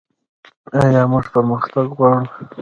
آیا موږ پرمختګ غواړو؟